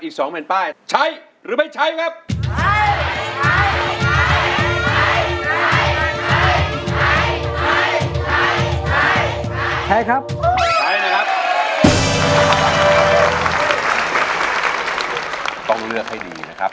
อีก๒เหมือนป้าย